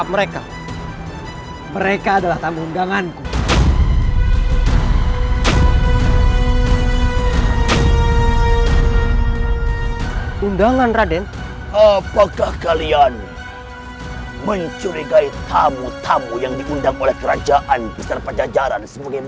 maafkan atas keterobohan kami raden